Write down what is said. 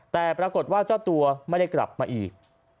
แต่ปรากฏว่าเจ้าตัวไม่ได้กลับมาอีก